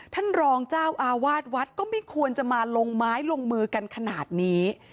ท่านรองเจ้าอาวาสวัดก็ไม่ควรจะมาลงไม้ลงมือกันขนาดนี้